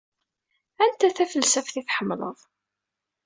Anta tafelsaft i tḥemmleḍ?